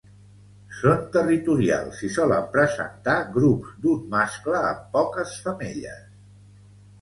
Són territorials i solen presentar grups d'un mascle amb poques femelles.